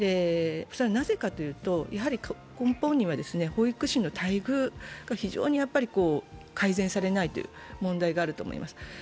なぜかというと、やはり根本には保育士の待遇が非常に改善されないという問題があると思います。